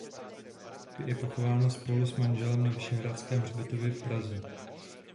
Je pochována spolu s manželem na Vyšehradském hřbitově v Praze.